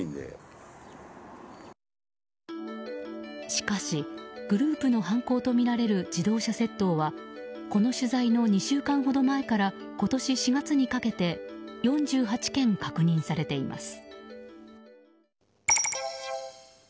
しかし、グループの犯行とみられる自動車窃盗はこの取材の２週間ほど前から今年４月にかけて４８件、確認されています。